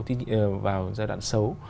tuy nhiên vào giai đoạn xấu